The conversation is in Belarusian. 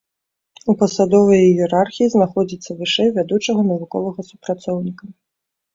У пасадовай іерархіі знаходзіцца вышэй вядучага навуковага супрацоўніка.